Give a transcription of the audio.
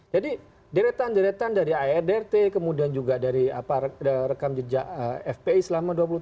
jadi deretan deretan dari ardrt kemudian juga dari rekam jejak fpi selama dua puluh tahun ini